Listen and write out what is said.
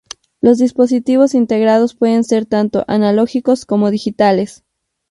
Los dispositivos integrados pueden ser tanto analógicos como digitales.